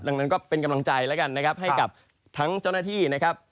ดังนั้นก็เป็นกำลังใจแล้วกันนะครับให้กับทั้งเจ้าหน้าที่นะครับ